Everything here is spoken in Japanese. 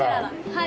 はい。